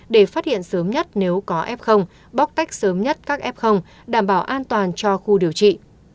để phát hiện sớm nhất nếu có f bóc tách sớm nhất các f đảm bảo an toàn cho khu điều trị